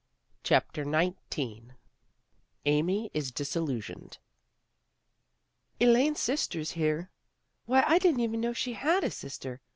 CHAPTER XIX AMY IS DISILLUSIONED " ELAINE'S sister here! Why, I didn't even know she had a sister.